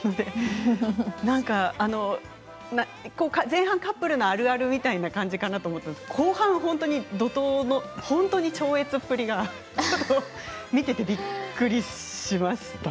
前半、カップルのあるあるみたいな感じかと思ったら後半は本当に怒とうの超越っぷりが見ていてびっくりしました。